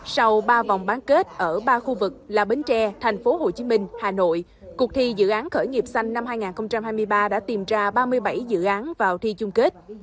sau ba vòng bán kết ở ba khu vực là bến tre tp hcm hà nội cuộc thi dự án khởi nghiệp xanh năm hai nghìn hai mươi ba đã tìm ra ba mươi bảy dự án vào thi chung kết